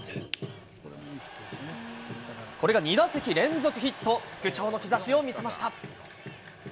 これが２打席連続ヒット、復調の兆しを見せました。